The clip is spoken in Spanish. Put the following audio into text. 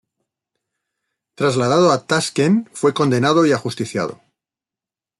Trasladado a Taskent, fue condenado y ajusticiado.